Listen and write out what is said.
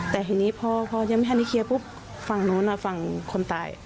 แต่พอยังไม่ได้เคียร์ฝั่งโน้นฝั่งคนตาย